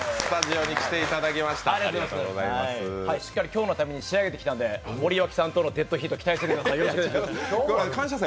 しっかり今日のために仕上げてきたんで、森脇さんとのデッドヒート、期待しててください。